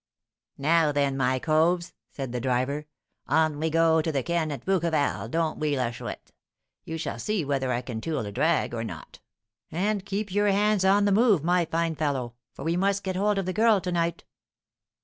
"Now, then, my coves," said the driver, "on we go to the 'ken' at Bouqueval, don't we, La Chouette? You shall see whether I can 'tool a drag' or not." "And keep your pads on the move, my fine fellow; for we must get hold of the girl to night."